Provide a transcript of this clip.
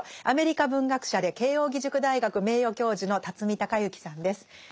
アメリカ文学者で慶應義塾大学名誉教授の孝之さんです。